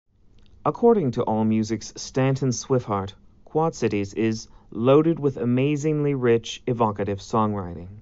According to AllMusic's Stanton Swihart, "Quad Cities" is "loaded with amazingly rich, evocative songwriting".